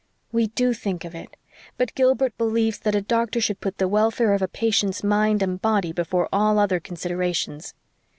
"We DO think of it. But Gilbert believes that a doctor should put the welfare of a patient's mind and body before all other considerations."